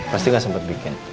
pasti nggak sempet bikin